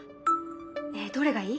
ねえどれがいい？